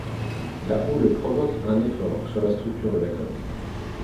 La houle provoque un effort sur la structure de la coque.